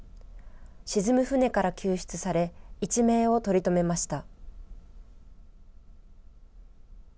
沈む船から救出され、一命を取り留めました。